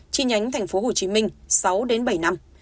chi nhánh tp hcm sáu bảy năm